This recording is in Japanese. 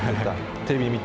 テレビ見て。